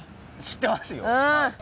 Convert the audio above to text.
知ってますよ